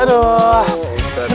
aduh aduh aduh aduh